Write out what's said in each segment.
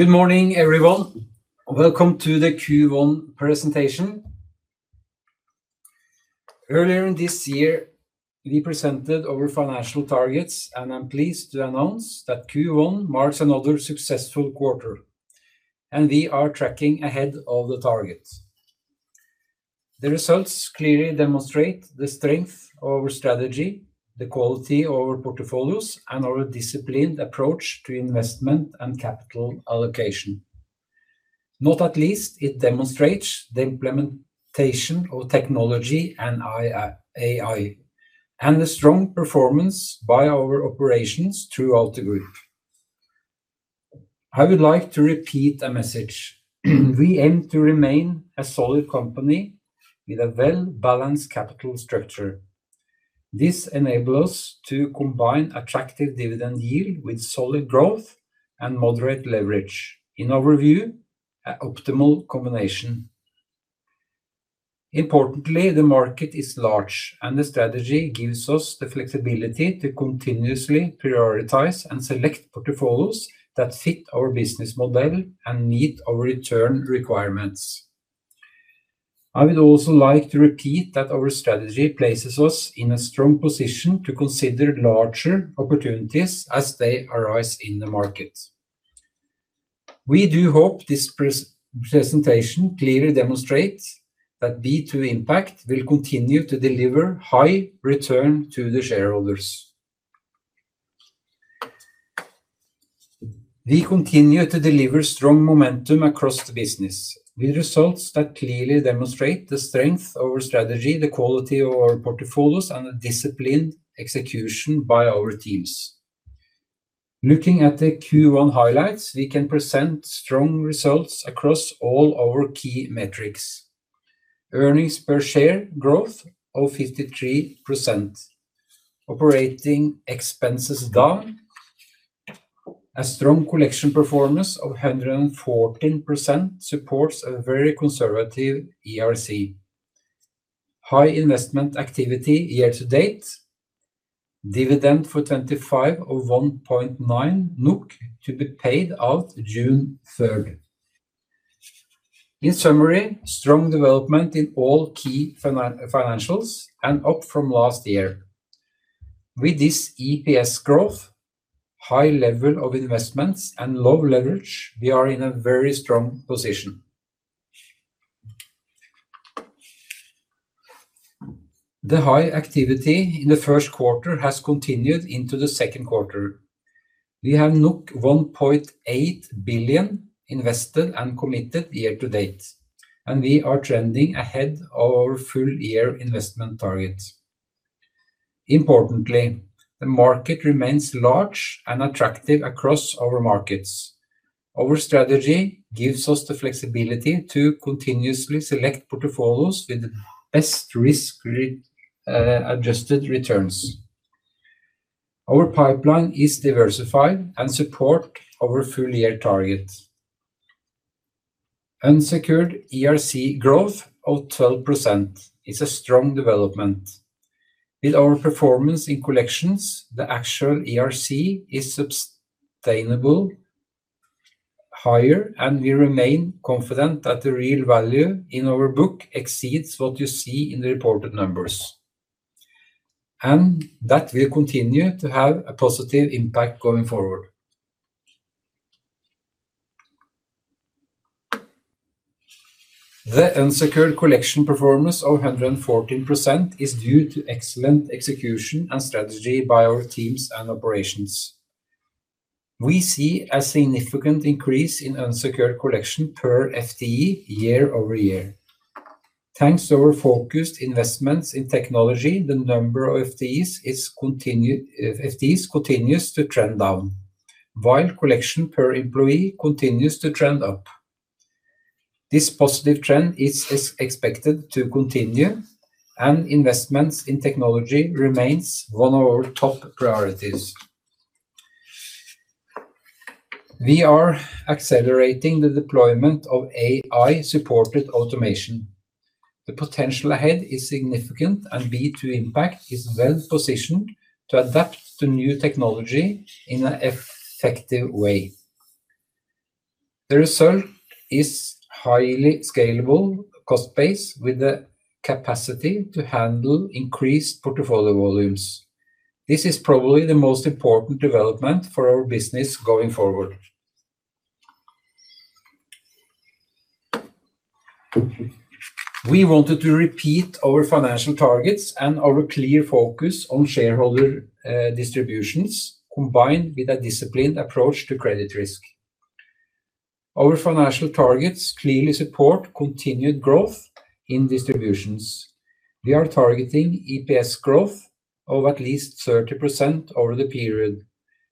Good morning, everyone. Welcome to the Q1 presentation. Earlier this year, we presented our financial targets, and I am pleased to announce that Q1 marks another successful quarter, and we are tracking ahead of the target. The results clearly demonstrate the strength of our strategy, the quality of our portfolios, and our disciplined approach to investment and capital allocation. Not at least, it demonstrates the implementation of technology and AI, and the strong performance by our operations throughout the group. I would like to repeat a message. We aim to remain a solid company with a well-balanced capital structure. This enable us to combine attractive dividend yield with solid growth and moderate leverage. In our view, an optimal combination. Importantly, the market is large, and the strategy gives us the flexibility to continuously prioritize and select portfolios that fit our business model and meet our return requirements. I would also like to repeat that our strategy places us in a strong position to consider larger opportunities as they arise in the market. We do hope this presentation clearly demonstrates that B2 Impact will continue to deliver high return to the shareholders. We continue to deliver strong momentum across the business with results that clearly demonstrate the strength of our strategy, the quality of our portfolios, and the disciplined execution by our teams. Looking at the Q1 highlights, we can present strong results across all our key metrics. Earnings per share growth of 53%. Operating expenses down. A strong collection performance of 114% supports a very conservative ERC. High investment activity year to date. Dividend for 2025 of 1.9 NOK to be paid out June 3rd. In summary, strong development in all key financials and up from last year. With this EPS growth, high level of investments, and low leverage, we are in a very strong position. The high activity in the first quarter has continued into the second quarter. We have 1.8 billion invested and committed year to date, and we are trending ahead of our full-year investment target. Importantly, the market remains large and attractive across our markets. Our strategy gives us the flexibility to continuously select portfolios with best risk-adjusted returns. Our pipeline is diversified and support our full-year target. Unsecured ERC growth of 12% is a strong development. With our performance in collections, the actual ERC is sustainable, higher, and we remain confident that the real value in our book exceeds what you see in the reported numbers. That will continue to have a positive impact going forward. The unsecured collection performance of 114% is due to excellent execution and strategy by our teams and operations. We see a significant increase in unsecured collection per FTE year-over-year. Thanks to our focused investments in technology, the number of FTEs continues to trend down, while collection per employee continues to trend up. This positive trend is expected to continue. Investments in technology remains one of our top priorities. We are accelerating the deployment of AI-supported automation. The potential ahead is significant. B2 Impact is well positioned to adapt to new technology in an effective way. The result is highly scalable cost base with the capacity to handle increased portfolio volumes. This is probably the most important development for our business going forward. We wanted to repeat our financial targets and our clear focus on shareholder distributions, combined with a disciplined approach to credit risk. Our financial targets clearly support continued growth in distributions. We are targeting EPS growth of at least 30% over the period,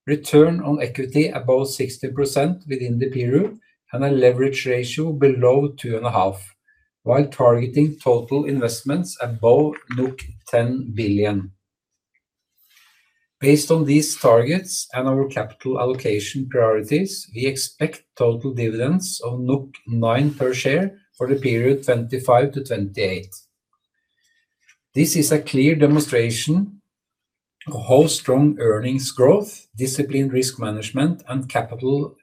return on equity above 60% within the period, and a leverage ratio below 2.5x, while targeting total investments above 10 billion. Based on these targets and our capital allocation priorities, we expect total dividends of 9 per share for the period 2025 to 2028. This is a clear demonstration of how strong earnings growth, disciplined risk management, and capital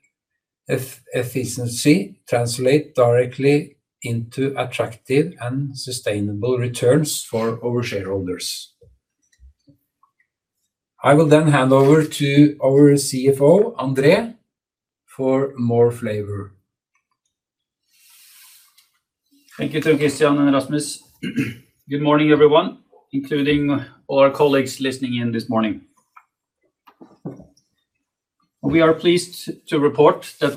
efficiency translate directly into attractive and sustainable returns for our shareholders. I will then hand over to our CFO, André, for more flavor. Thank you to Kristian and Rasmus. Good morning, everyone, including all our colleagues listening in this morning. We are pleased to report that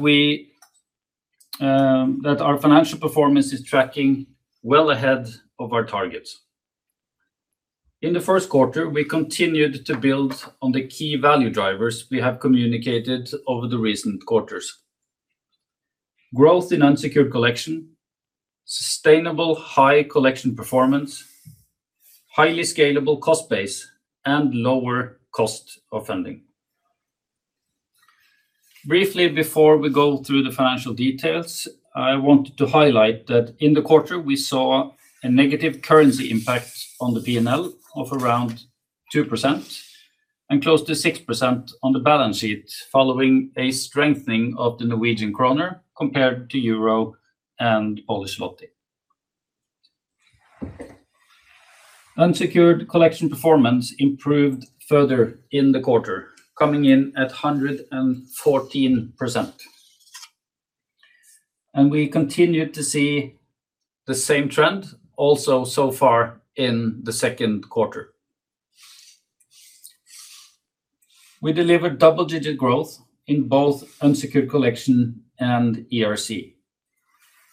our financial performance is tracking well ahead of our targets. In the first quarter, we continued to build on the key value drivers we have communicated over the recent quarters, growth in unsecured collection, sustainable high collection performance, highly scalable cost base, and lower cost of funding. Briefly, before we go through the financial details, I wanted to highlight that in the quarter we saw a negative currency impact on the P&L of around 2%, and close to 6% on the balance sheet, following a strengthening of the Norwegian kroner compared to euro and Polish zloty. Unsecured collection performance improved further in the quarter, coming in at 114%. We continued to see the same trend also so far in the second quarter. We delivered double-digit growth in both unsecured collection and ERC,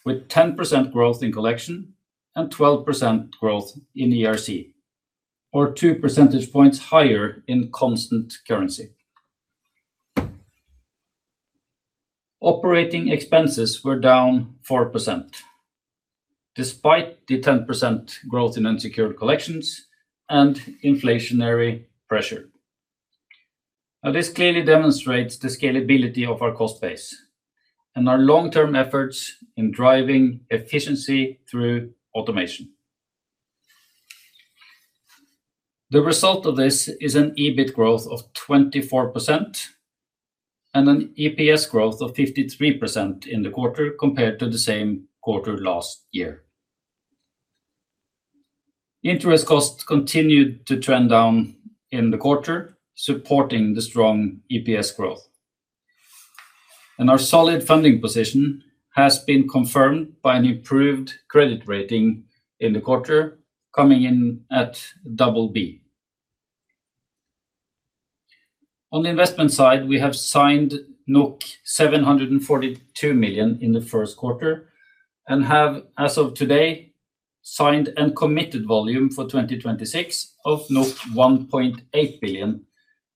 with 10% growth in collection and 12% growth in ERC, or 2 percentage points higher in constant currency. Operating expenses were down 4%, despite the 10% growth in unsecured collections and inflationary pressure. Now this clearly demonstrates the scalability of our cost base and our long-term efforts in driving efficiency through automation. The result of this is an EBIT growth of 24% and an EPS growth of 53% in the quarter compared to the same quarter last year. Interest costs continued to trend down in the quarter, supporting the strong EPS growth. Our solid funding position has been confirmed by an improved credit rating in the quarter, coming in at BB. On the investment side, we have signed 742 million in the first quarter and have, as of today, signed and committed volume for 2026 of 1.8 billion,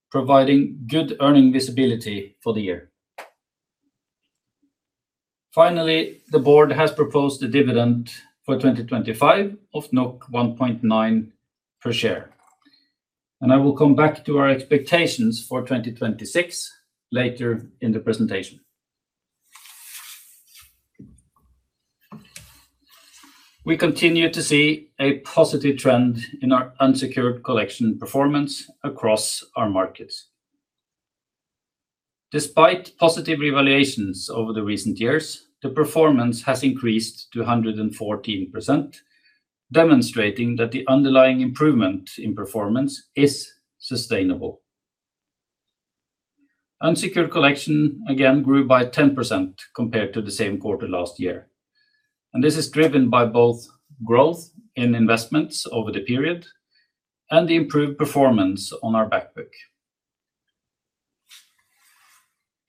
providing good earning visibility for the year. I will come back to our expectations for 2026 later in the presentation. Finally, the board has proposed a dividend for 2025 of 1.9 per share. And I will comeback to our expectations for 2026 later in the presentation. We continue to see a positive trend in our unsecured collection performance across our markets. Despite positive revaluations over the recent years, the performance has increased to 114%, demonstrating that the underlying improvement in performance is sustainable. Unsecured collection again grew by 10% compared to the same quarter last year. This is driven by both growth in investments over the period and the improved performance on our back book.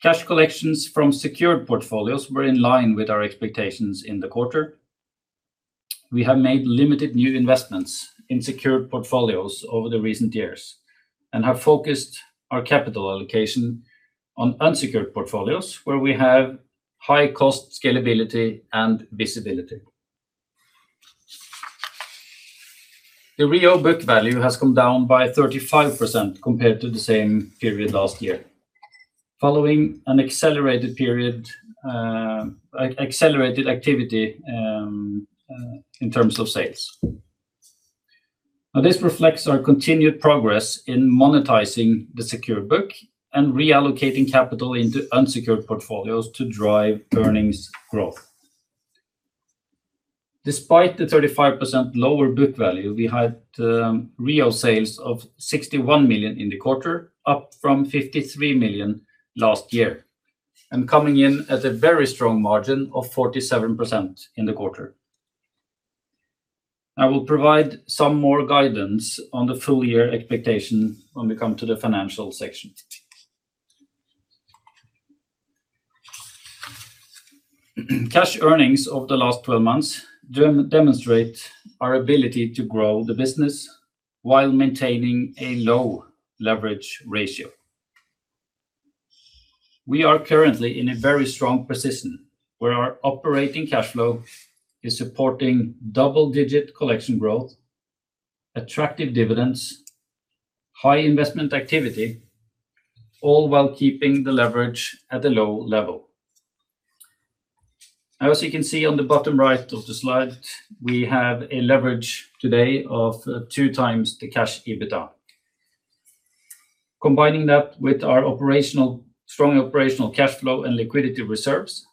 Cash collections from secured portfolios were in line with our expectations in the quarter. We have made limited new investments in secured portfolios over the recent years and have focused our capital allocation on unsecured portfolios where we have high cost scalability and visibility. The REO book value has come down by 35% compared to the same period last year, following an accelerated activity in terms of sales. This reflects our continued progress in monetizing the secured book and reallocating capital into unsecured portfolios to drive earnings growth. Despite the 35% lower book value, we had REO sales of 61 million in the quarter, up from 53 million last year, and coming in at a very strong margin of 47% in the quarter. I will provide some more guidance on the full year expectation when we come to the financial section. Cash earnings over the last 12 months demonstrate our ability to grow the business while maintaining a low leverage ratio. We are currently in a very strong position where our operating cash flow is supporting double-digit collection growth, attractive dividends, high investment activity, all while keeping the leverage at a low level. As you can see on the bottom right of the slide, we have a leverage today of 2x the cash EBITDA. Combining that with our strong operational cash flow and liquidity reserves,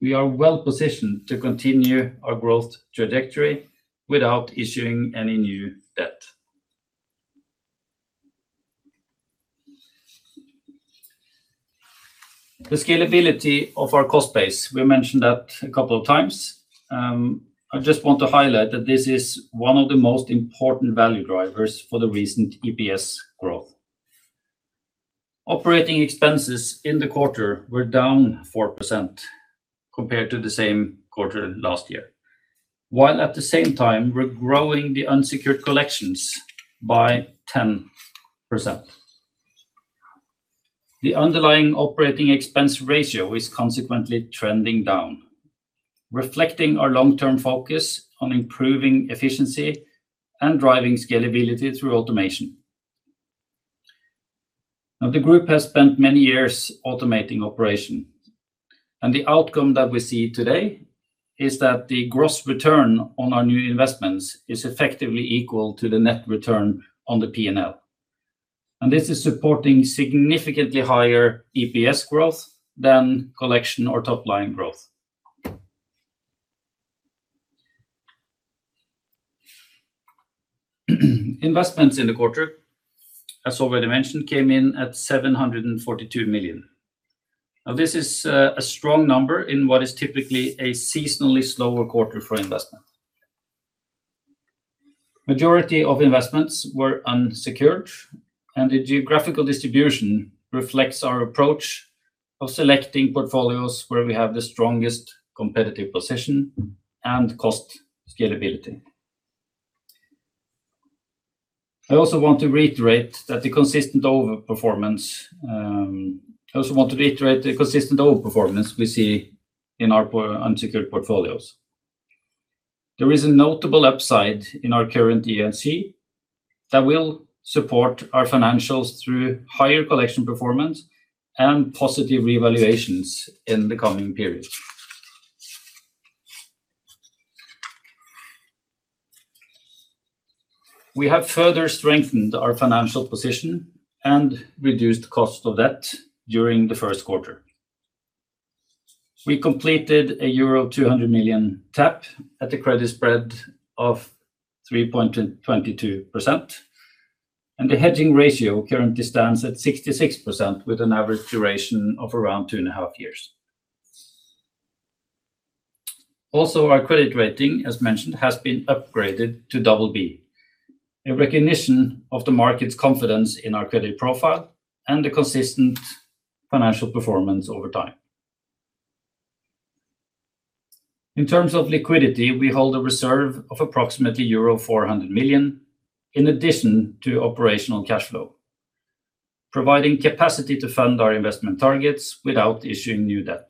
we are well-positioned to continue our growth trajectory without issuing any new debt. The scalability of our cost base, we mentioned that a couple of times. I just want to highlight that this is one of the most important value drivers for the recent EPS growth. Operating expenses in the quarter were down 4% compared to the same quarter last year, while at the same time we're growing the unsecured collections by 10%. The underlying operating expense ratio is consequently trending down, reflecting our long-term focus on improving efficiency and driving scalability through automation. Now, the group has spent many years automating operation, and the outcome that we see today is that the gross return on our new investments is effectively equal to the net return on the P&L. This is supporting significantly higher EPS growth than collection or top-line growth. Investments in the quarter, as already mentioned, came in at 742 million. Now this is a strong number in what is typically a seasonally slower quarter for investment. Majority of investments were unsecured, and the geographical distribution reflects our approach of selecting portfolios where we have the strongest competitive position and cost scalability. I also want to reiterate the consistent overperformance we see in our unsecured portfolios. There is a notable upside in our current ERC that will support our financials through higher collection performance and positive revaluations in the coming period. We have further strengthened our financial position and reduced the cost of debt during the first quarter. We completed a euro 200 million tap at the credit spread of 3.22%, and the hedging ratio currently stands at 66% with an average duration of around 2.5 years. Also, our credit rating, as mentioned, has been upgraded to BB, a recognition of the market's confidence in our credit profile and the consistent financial performance over time. In terms of liquidity, we hold a reserve of approximately euro 400 million, in addition to operational cash flow, providing capacity to fund our investment targets without issuing new debt.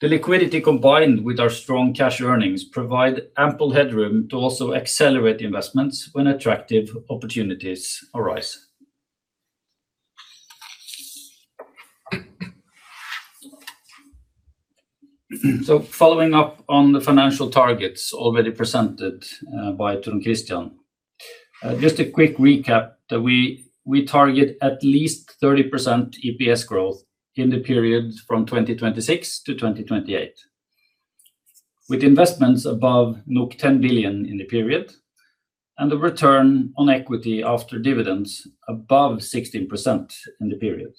The liquidity combined with our strong cash earnings provide ample headroom to also accelerate investments when attractive opportunities arise. Following up on the financial targets already presented by Trond Kristian. Just a quick recap that we target at least 30% EPS growth in the period from 2026 to 2028, with investments above 10 billion in the period, and the return on equity after dividends above 16% in the period.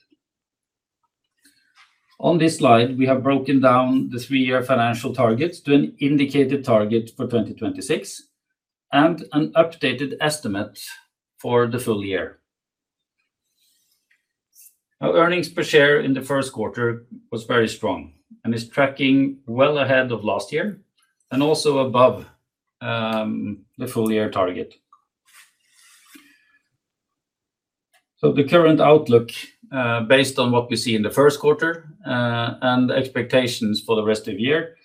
On this slide, we have broken down the three-year financial targets to an indicated target for 2026 and an updated estimate for the full year. Earnings per share in the first quarter was very strong and is tracking well ahead of last year and also above the full-year target. The current outlook, based on what we see in the first quarter and expectations for the rest of the year,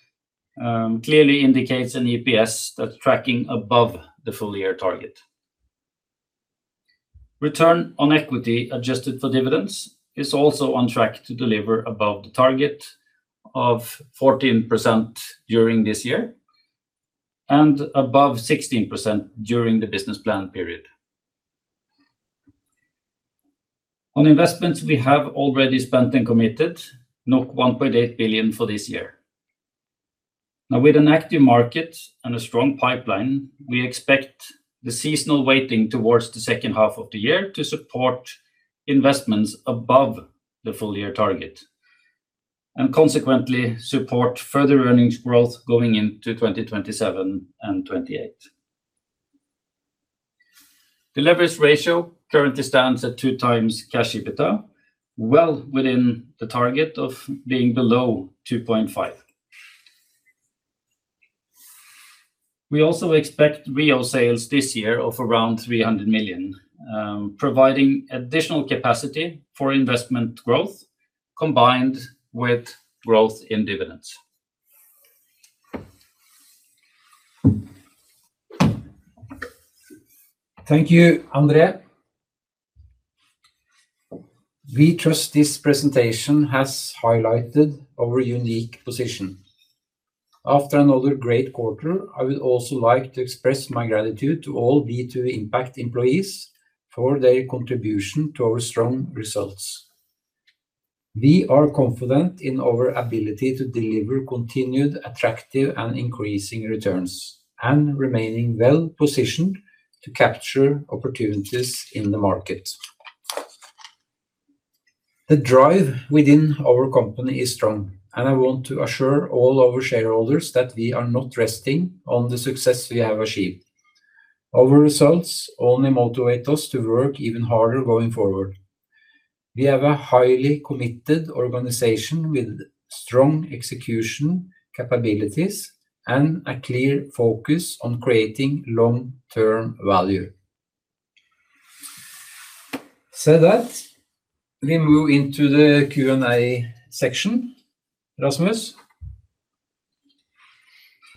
clearly indicates an EPS that's tracking above the full-year target. Return on equity adjusted for dividends is also on track to deliver above the target of 14% during this year and above 16% during the business plan period. On investments we have already spent and committed 1.8 billion for this year. Now with an active market and a strong pipeline, we expect the seasonal weighting towards the second half of the year to support investments above the full-year target and consequently support further earnings growth going into 2027 and 2028. The leverage ratio currently stands at 2x cash EBITDA, well within the target of being below 2.5x. We also expect REO sales this year of around 300 million, providing additional capacity for investment growth combined with growth in dividends. Thank you, André. We trust this presentation has highlighted our unique position. After another great quarter, I would also like to express my gratitude to all B2 Impact employees for their contribution to our strong results. We are confident in our ability to deliver continued attractive and increasing returns and remaining well-positioned to capture opportunities in the market. The drive within our company is strong, and I want to assure all our shareholders that we are not resting on the success we have achieved. Our results only motivate us to work even harder going forward. We have a highly committed organization with strong execution capabilities and a clear focus on creating long-term value. Said that, we move into the Q&A section. Rasmus?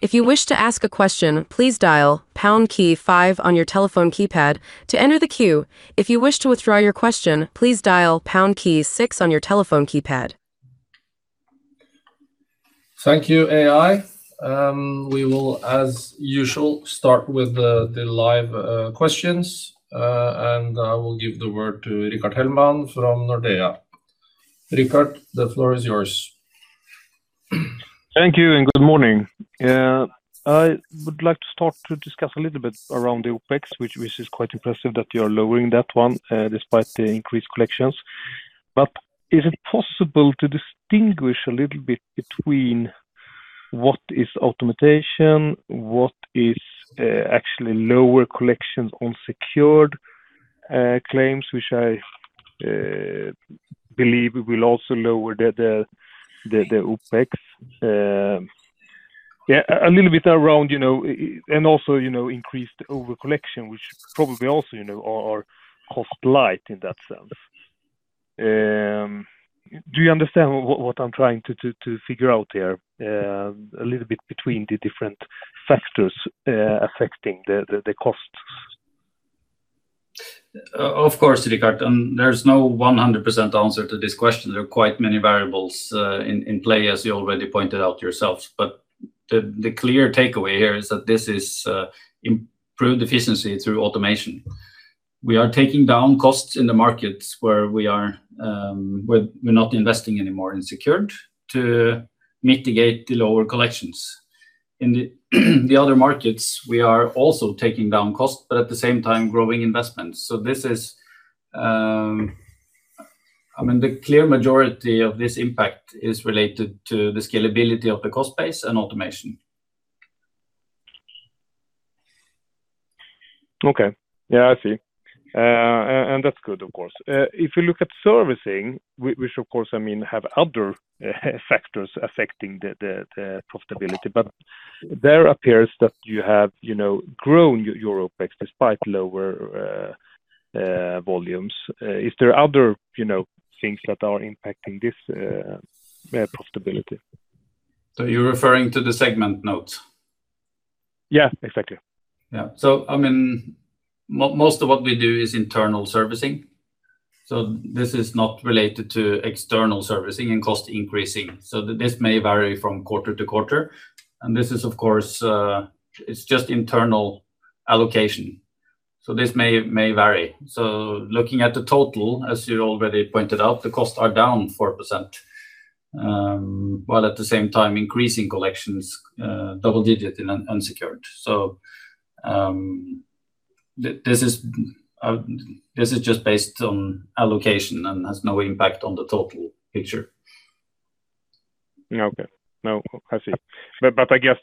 If you wish to ask a question, please dial pound key five on your telephone keypad to enter the queue. If you wish to withdraw your question, please dial pound key six on your telephone keypad. Thank you, AI. We will, as usual, start with the live questions. I will give the word to Rickard Hellman from Nordea. Rickard, the floor is yours. Thank you, and good morning. I would like to start to discuss a little bit around the OpEx, which is quite impressive that you are lowering that one despite the increased collections. Is it possible to distinguish a little bit between what is automation, what is actually lower collections on secured claims, which I believe will also lower the OpEx, a little bit around, and also increased overcollection, which probably also are cost-light in that sense? Do you understand what I'm trying to figure out here, a little bit between the different factors affecting the costs? Of course, Rickard, there's no 100% answer to this question. There are quite many variables in play, as you already pointed out yourself. The clear takeaway here is that this is improved efficiency through automation. We are taking down costs in the markets where we are not investing anymore in secured to mitigate the lower collections. In the other markets, we are also taking down costs, but at the same time growing investments. The clear majority of this impact is related to the scalability of the cost base and automation. Okay. Yeah, I see. That's good, of course. If you look at servicing, which of course, have other factors affecting the profitability, but there appears that you have grown your OpEx despite lower volumes. Is there other things that are impacting this profitability? You're referring to the segment notes? Yeah, exactly. Most of what we do is internal servicing. This is not related to external servicing and cost increasing. This may vary from quarter-to-quarter. This is, of course, it's just internal allocation. This may vary. Looking at the total, as you already pointed out, the costs are down 4%, while at the same time increasing collections double-digit in unsecured. This is just based on allocation and has no impact on the total picture. Okay. No, I see. I guess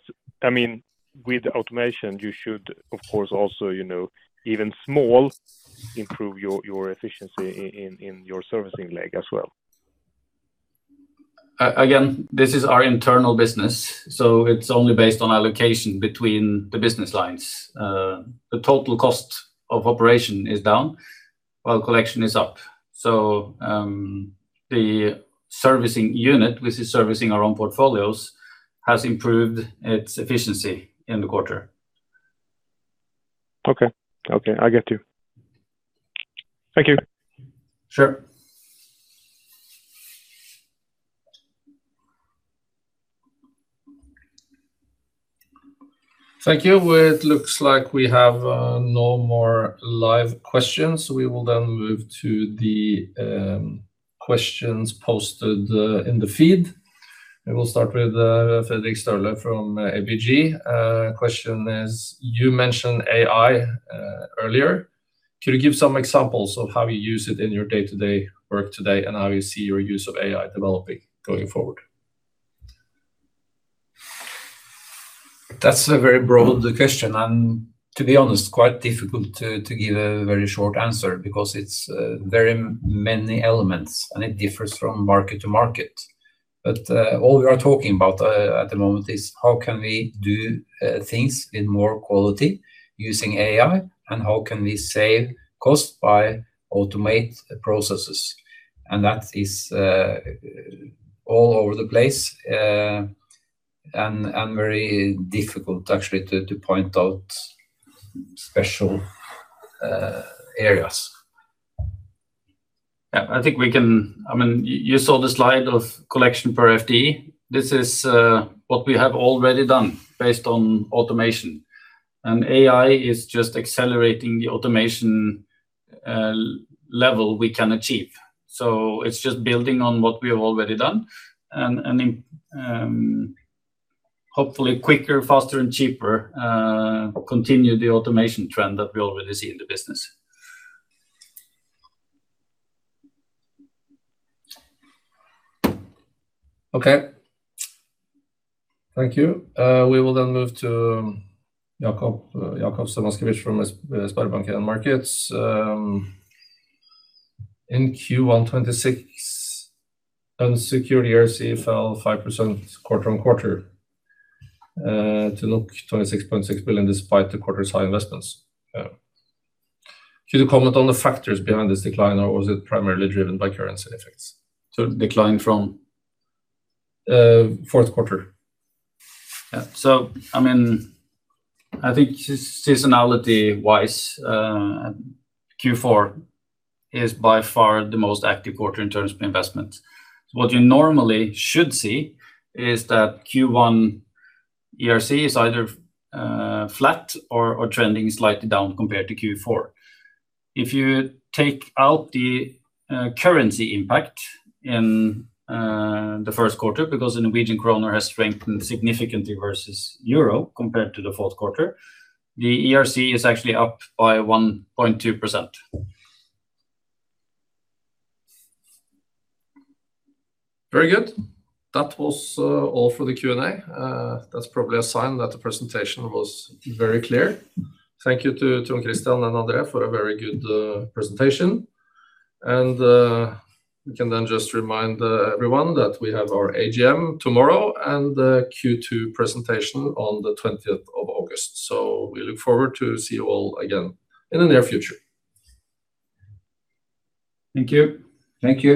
with automation, you should, of course, also even small improve your efficiency in your servicing leg as well. Again, this is our internal business, so it's only based on allocation between the business lines. The total cost of operation is down while collection is up. The servicing unit, which is servicing our own portfolios, has improved its efficiency in the quarter. Okay. I get you. Thank you. Sure. Thank you. It looks like we have no more live questions. We will move to the questions posted in the feed. We will start with Fredrik Støle from ABG. Question is, you mentioned AI earlier. Could you give some examples of how you use it in your day-to-day work today, and how you see your use of AI developing going forward? That's a very broad question, and to be honest, quite difficult to give a very short answer because it's very many elements, and it differs from market to market. All we are talking about at the moment is how can we do things in more quality using AI, and how can we save cost by automate processes. That is all over the place. Very difficult actually to point out special areas. Yeah, you saw the slide of collection per FTE. This is what we have already done based on automation. AI is just accelerating the automation level we can achieve. It's just building on what we have already done and hopefully quicker, faster and cheaper, continue the automation trend that we already see in the business. Okay. Thank you. We will then move to Jakov Semaskevic from SpareBank 1 Markets. In Q1 2026, unsecured ERC fell 5% quarter-on-quarter to 26.6 billion despite the quarter's high investments. Could you comment on the factors behind this decline or was it primarily driven by currency effects? Decline from? Fourth quarter. Yeah. I think seasonality-wise, Q4 is by far the most active quarter in terms of investment. What you normally should see is that Q1 ERC is either flat or trending slightly down compared to Q4. If you take out the currency impact in the first quarter, because the Norwegian kroner has strengthened significantly versus EUR compared to the fourth quarter, the ERC is actually up by 1.2%. Very good. That was all for the Q&A. That's probably a sign that the presentation was very clear. Thank you to Kristian and André for a very good presentation. We can then just remind everyone that we have our AGM tomorrow and the Q2 presentation on August 20th. We look forward to see you all again in the near future. Thank you. Thank you.